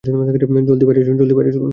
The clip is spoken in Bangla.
জলদি বাইরে চলুন।